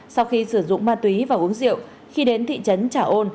sau khi sử dụng ma túy và uống rượu khi đến thị trấn trà ôn